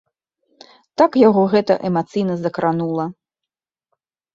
Так яго гэта эмацыйна закранула!